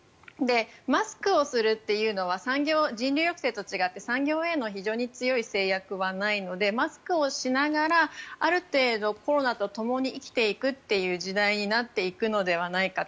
マスクをするというのは人流抑制と違って産業への非常に強い制約はないのでマスクをしながらある程度、コロナとともに生きていくという時代になっていくのではないかと。